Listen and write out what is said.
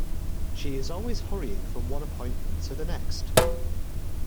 She is always hurrying from one appointment to the next.